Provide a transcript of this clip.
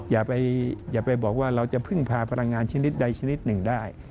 อย่าไปบอกว่าเราจะพึ่งพาพลังงานชนิดใดชนิดหนึ่งได้